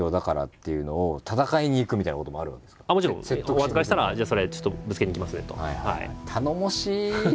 お預かりしたらじゃあそれぶつけに行きますねと。